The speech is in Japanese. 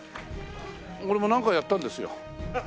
俺もなんかはやったんですよ。